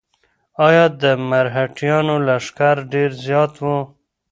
ایا د مرهټیانو لښکر ډېر زیات و؟